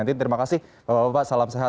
nanti terima kasih bapak bapak salam sehat